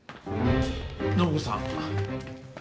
暢子さん。